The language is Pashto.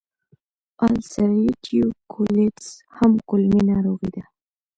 د السرېټیو کولیټس هم کولمې ناروغي ده.